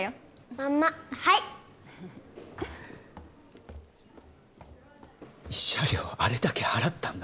まんまはい慰謝料をあれだけ払ったんだ